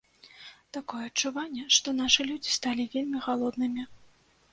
Такое адчуванне, што нашы людзі сталі вельмі галоднымі.